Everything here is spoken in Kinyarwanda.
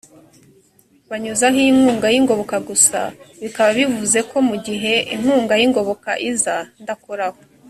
banyuzaho inkunga y’ ingoboka gusa bikaba bivuze ko mu gihe inkunga y’ ingoboka iza ndakoraho